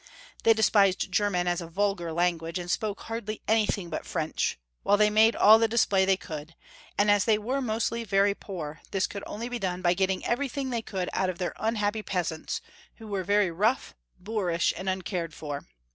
They despised German as a vulgar language, and spoke hardly anything but French, while they made all the display they could, and as they were mostly very poor, this could only Jo%eph L 883 be done by getting everything they could out of their unhappy peasants, who were very rough, boorish, and uncared for.